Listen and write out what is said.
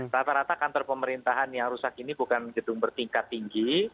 rata rata kantor pemerintahan yang rusak ini bukan gedung bertingkat tinggi